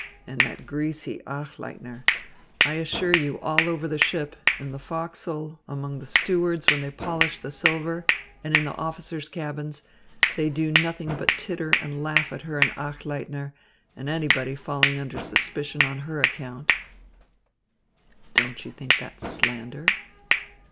And that greasy Achleitner! I assure you, all over the ship, in the forecastle, among the stewards when they polish the silver, and in the officers' cabins, they do nothing but titter and laugh at her and Achleitner and anybody falling under suspicion on her account." "Don't you think that's slander?"